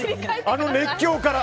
あの熱狂から。